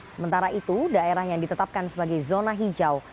sementara itu daerah yang ditetapkan sebagai zona hijau